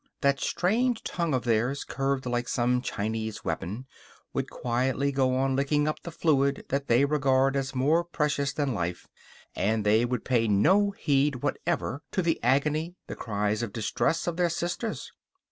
That strange tongue of theirs, curved like some Chinese weapon, would quietly go on licking up the fluid that they regard as more precious than life, and they would pay no heed whatever to the agony, the cries of distress, of their sisters.